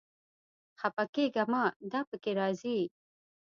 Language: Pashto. خپه کېږه مه، دا پکې راځي